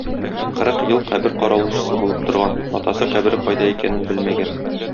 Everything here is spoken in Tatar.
Кырык ел кабер каравылчысы булып торган, атасы кабере кайда икәнен белмәгән.